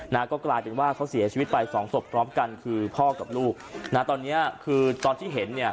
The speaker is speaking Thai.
นะก็กลายเป็นว่าเขาเสียชีวิตไปสองศพพร้อมกันคือพ่อกับลูกนะตอนเนี้ยคือตอนที่เห็นเนี่ย